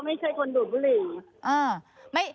ไม่ใช่คนดูดบุหรี่